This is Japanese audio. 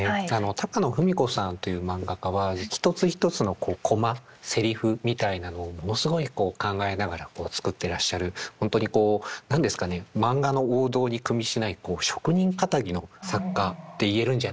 高野文子さんというマンガ家は一つ一つのコマセリフみたいなのをものすごいこう考えながら作ってらっしゃる本当にこう何ですかねマンガの王道にくみしない職人かたぎの作家って言えるんじゃないかなと。